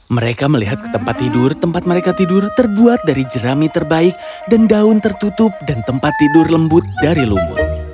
mereka melihat ke tempat tidur tempat mereka tidur terbuat dari jerami terbaik dan daun tertutup dan tempat tidur lembut dari lumut